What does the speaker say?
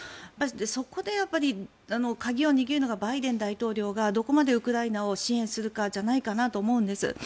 そこで鍵を握るのがバイデン大統領がどこまでウクライナを支援するかじゃないかなと思うんです。